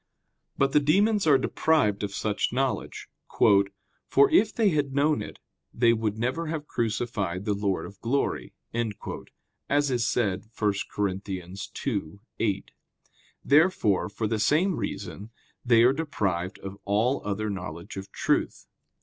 But the demons are deprived of such knowledge: "for if they had known it, they would never have crucified the Lord of glory," as is said 1 Cor. 2:8. Therefore, for the same reason, they are deprived of all other knowledge of truth.